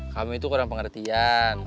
kamu itu kurang pengertian